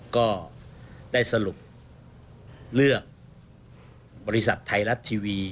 ก็ได้สรุปเลือกบริษัทไทยรัฐทีวี